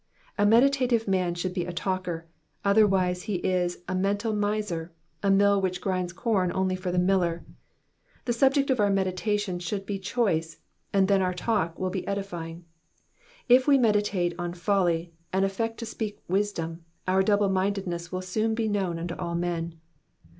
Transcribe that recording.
A meditative man should be a talker, otherwise he is a mental miser, a mill which grinds corn only for the miller. The subject of our meditation should be choice, and then our talk will be edifying ; if wo meditate on folly and affect to speak wisdom, our double mindedness will soon be known unto all men.